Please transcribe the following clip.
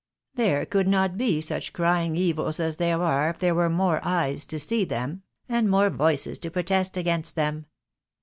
There could not be such crying evils as there are if there were more eyes to see them, and more voices to protest against them.